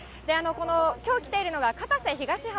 きょう来ているのが、片瀬東浜